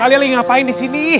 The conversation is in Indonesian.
kalian ingin ngapain di sini